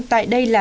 tại đây là rất lớn